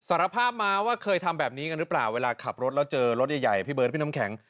สารภาพมาว่าเคยทำแบบนี้กันหรือเปล่าเวลาขับรถแล้วเจอรถใหญ่พี่เบิร์ดพี่น้ำแข็ง